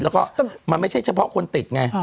แล้วก็มันไม่ใช่เฉพาะคนติดไง